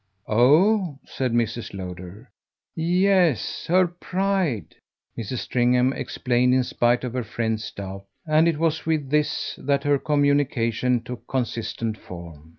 "Oh!" said Mrs. Lowder. "Yes, her pride," Mrs. Stringham explained in spite of her friend's doubt, and it was with this that her communication took consistent form.